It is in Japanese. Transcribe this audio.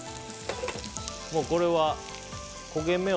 これは焦げ目を？